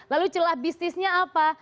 lalu celah bisnisnya apa